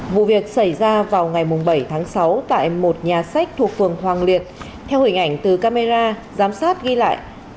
vụ việc xảy ra vào ngày bảy tháng sáu tại một nhà sách thuộc phường hoàng liệt theo hình ảnh từ camera giám sát ghi lại